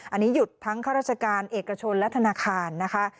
อันนี้หยุดทั้งข้าราชการเอกชนและธนาคารนะคะ